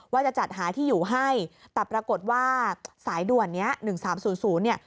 ว่าจะจัดหาที่อยู่ให้แต่ปรากฏว่าสายด่วนเนี้ย๑๓๐๐เนี่ย